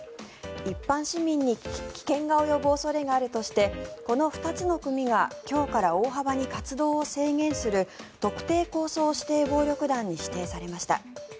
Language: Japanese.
一般市民に危険が及ぶ恐れがあるとしてこの２つの組が今日から大幅に活動を制限する特定抗争指定暴力団に指定されました。